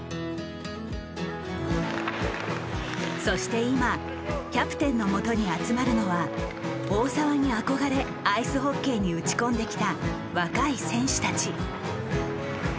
そして今キャプテンのもとに集まるのは大澤に憧れアイスホッケーに打ち込んできた若い選手たち。